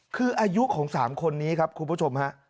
คืออายุของ๓คนนี้ครับคุณผู้ชมฮะ